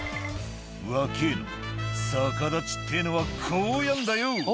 「若ぇの逆立ちってのはこうやんだよ！」